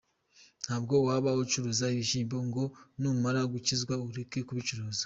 Ntabwo waba ucuruza ibishyimbo ngo numara gukizwa ureke kubicuruza.